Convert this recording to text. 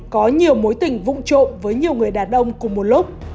có nhiều mối tình vụn trộn với nhiều người đàn ông cùng một lúc